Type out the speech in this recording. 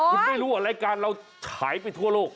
คุณไม่รู้รายการเราฉายไปทั่วโลก